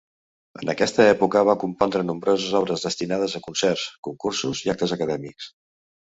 En aquesta època va compondre nombroses obres destinades a concerts, concursos i actes acadèmics.